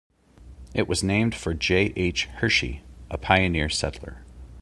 It was named for J. H. Hershey, a pioneer settler.